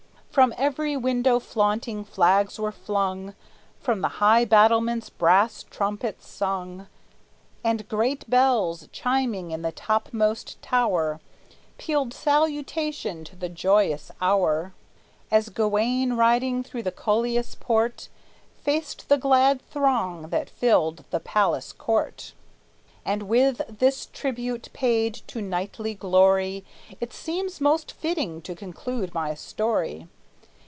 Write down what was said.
From every window flaunting flags were flung; From the high battlements brass trumpets sung; And great bells, chiming in the topmost tower, Pealed salutation to the joyous hour, As Gawayne, riding through the cullis port, Faced the glad throng that filled the palace court. And with this tribute paid to knightly glory It seems most fitting to conclude my story.